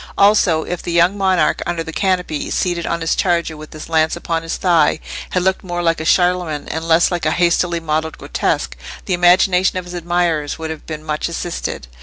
Also, if the young monarch under the canopy, seated on his charger with his lance upon his thigh, had looked more like a Charlemagne and less like a hastily modelled grotesque, the imagination of his admirers would have been much assisted.